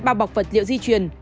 bao bọc vật liệu di truyền